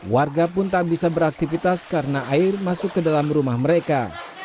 warga pun tak bisa beraktivitas karena air masuk ke dalam rumah mereka